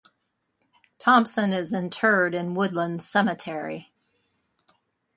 Thompson is interred in Woodlands Cemetery.